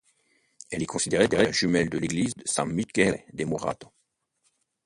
Elle est considérée comme la jumelle de l'église San Michele de Murato.